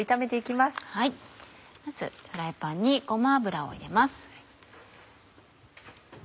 まずフライパンにごま油を入れます。